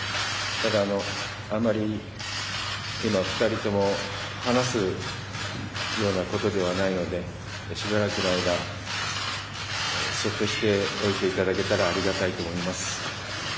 ただ、あまり今２人とも話すようなことではないのでしばらくの間そっとしておいていただけたらありがたいと思います。